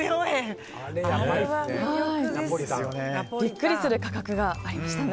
ビックリする価格がありましたね。